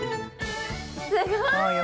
すごい！